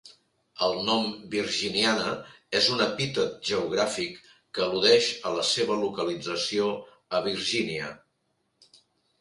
El nom virginiana és un epítet geogràfic que al·ludeix a la seva localització a Virgínia.